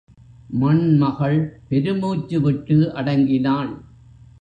மண்மகள் பெருமூச்சு விட்டு அடங்கினாள்.